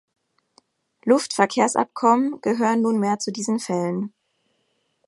Luftverkehrsabkommen gehören nunmehr zu diesen Fällen.